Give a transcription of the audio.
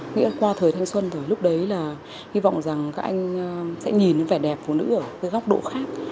nghĩa là qua thời thanh xuân rồi lúc đấy là hy vọng rằng các anh sẽ nhìn đến vẻ đẹp phụ nữ ở cái góc độ khác